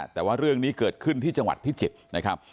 แต่ว่าเรื่องนี้เกิดขึ้นที่จังหวัดพิจิตรนะครับ